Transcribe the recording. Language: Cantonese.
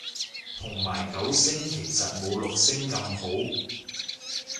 同埋九聲其實冇六聲咁好